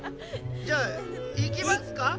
じゃあいきますか？